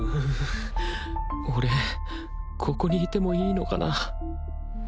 俺ここにいてもいいのかな